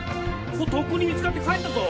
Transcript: とっくに見つかって帰ったぞ。